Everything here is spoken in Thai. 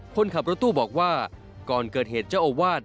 คนขับรถตู้บอกว่าก่อนเกิดเหตุเจ้าอาวาส